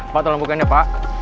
pak tolong buka aja pak